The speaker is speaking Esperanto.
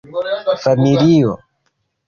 Familio.